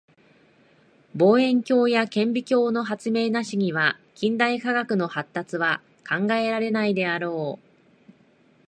望遠鏡や顕微鏡の発明なしには近代科学の発達は考えられないであろう。